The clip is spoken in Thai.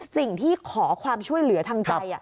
สิ่งที่ขอความช่วยเหลือทางใจ